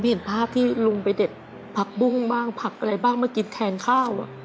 เห็นภาพที่ลุงไปเด็ดผักบุ้งบ้างผักอะไรบ้างมากินแทนข้าว